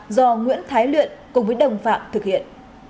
do nguyễn thái luyện cùng với đồng phạm thực hiện